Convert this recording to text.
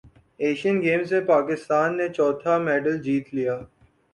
Asian games میں پاکستان نے چوتھا میڈل جیت لیا